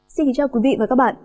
xin chào quý vị và các bạn